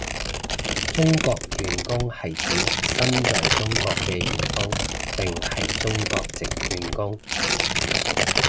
中國員工係指身在中國嘅員工定係中國藉員工？